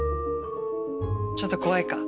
ちょっと怖いか？